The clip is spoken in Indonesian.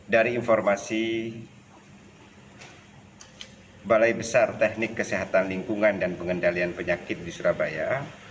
dari informasi balai besar teknik kesehatan lingkungan dan pengendalian penyakit di surabaya